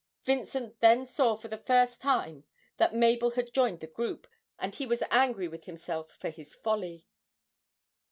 Vincent then saw for the first time that Mabel had joined the group, and he was angry with himself for his folly.